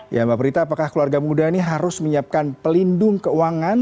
ya mbak prita apakah keluarga muda ini harus menyiapkan pelindung keuangan